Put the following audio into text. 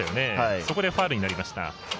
そこでファウルになりました。